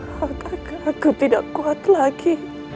hatta kaku tidak kuat lagi